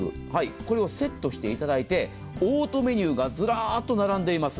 これをセットしていただいてオートメニューがずらっと並んでいます。